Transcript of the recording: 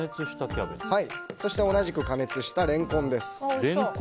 そして同じく加熱したレンコンです。